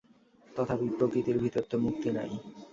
তথাপি প্রকৃতির ভিতর তো মুক্তি নাই।